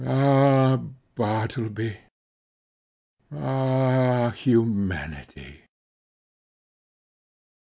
Ah Bartleby! Ah humanity!